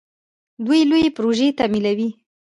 دوی لویې پروژې تمویلوي.